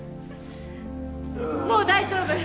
もう大丈夫！